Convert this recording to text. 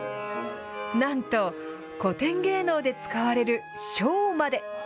なんと古典芸能で使われる笙まで。